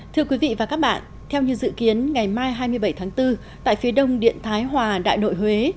thưa quý vị và các bạn theo như dự kiến ngày mai hai mươi bảy tháng bốn tại phía đông điện thái hòa đại nội huế